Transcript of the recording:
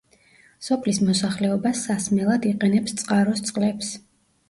სოფლის მოსახლეობა სასმელად იყენებს წყაროს წყლებს.